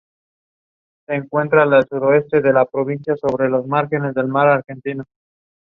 Fossella, a Staten Island native, was born to a family that included several politicians.